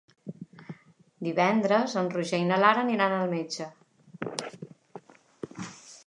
Divendres en Roger i na Lara aniran al metge.